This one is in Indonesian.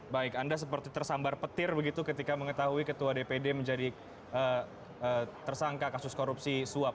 baik anda seperti tersambar petir begitu ketika mengetahui ketua dpd menjadi tersangka kasus korupsi suap